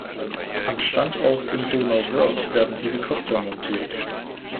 Am Standort in Donauwörth werden Helikopter montiert.